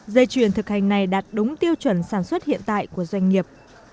dây chuyền thực hành này đạt đúng tiêu chuẩn sản xuất hiện tại của doanh nghiệp